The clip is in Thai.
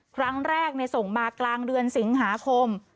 ครั้งแรกส่งมากลางเดือนสิงหาคม